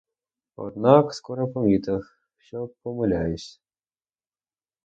Однак скоро помітив, що помиляюсь.